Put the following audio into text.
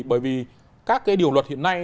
bởi vì các cái điều luật hiện nay